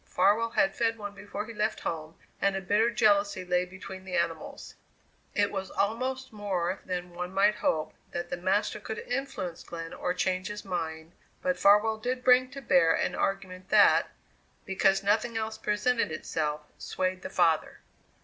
Farwell had fed one before he left home and a bitter jealousy lay between the animals. It was almost more than one might hope that the master could influence Glenn or change his mind, but Farwell did bring to bear an argument that, because nothing else presented itself, swayed the father.